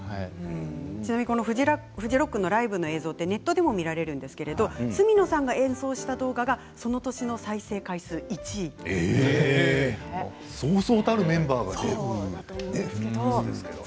ちなみにフジロックのライブの映像はネットでも見られるんですが角野さんが演奏した動画がそうそうたるメンバーが出ていますよね。